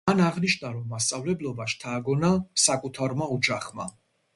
მან აღნიშნა რომ მასწავლებლობა შთააგონა საკუთარმა ოჯახმა.